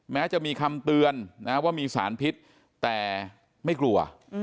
แม้จะมีคำเตือนนะว่ามีสารพิษแต่ไม่กลัว